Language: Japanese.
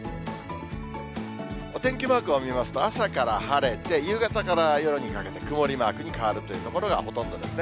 お天気マークを見ますと、朝から晴れて、夕方から夜にかけて曇りマークに変わるという所がほとんどですね。